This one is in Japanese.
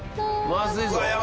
まずいぞ。